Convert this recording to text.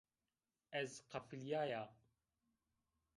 Ez qefilîyaya